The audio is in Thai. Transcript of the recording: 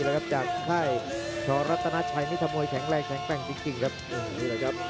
แต่กลับให้ฉอและตะนัทชายนี่ทะโมยแข็งแรงแข็งแรงจริงครับ